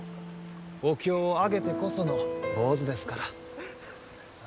お経をあげてこその坊主ですから。